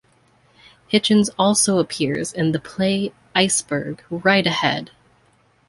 Hichens also appears in the play Iceberg - Right Ahead!